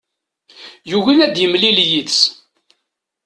Yugi ad yemlil yid-s.